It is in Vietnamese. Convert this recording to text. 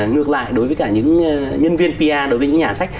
ngược lại đối với cả những nhân viên par đối với những nhà sách